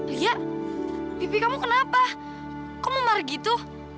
lia pipi kamu kenapa kok mumar gitu